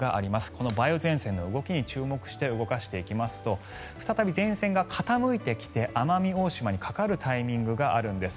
この梅雨前線の動きに注目して動かしていきますと再び前線が傾いてきて奄美大島にかかるタイミングがあるんです。